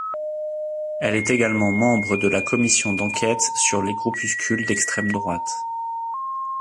Elle est également membre de la commission d’enquête sur les groupuscules d’extrême-droite.